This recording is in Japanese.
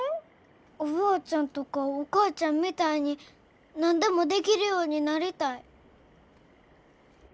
おばあちゃんとかお母ちゃんみたいに何でもできるようになりたい。